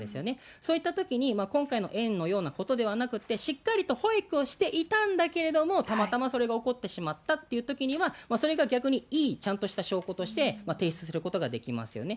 そういったときに、今回の園のようなことではなくって、しっかりと保育をしていたんだけれども、たまたまそれが起こってしまったっていうときには、それが逆にいい、ちゃんとした証拠として、提出することができますよね。